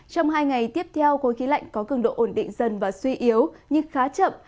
trong hai ngày tiếp theo khối khí lạnh có cường độ ổn định dần và suy yếu nhưng khá chậm